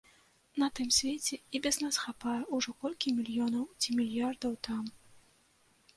На тым свеце і без нас хапае, ужо колькі мільёнаў ці мільярдаў там.